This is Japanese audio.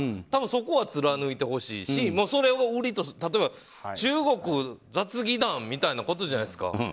多分そこは貫いてほしいしそれを売りとして中国雑技団みたいなことじゃないですか。